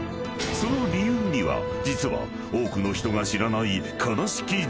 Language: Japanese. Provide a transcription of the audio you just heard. ［その理由には実は多くの人が知らない］